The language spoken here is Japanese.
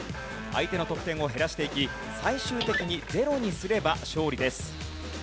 相手の得点を減らしていき最終的にゼロにすれば勝利です。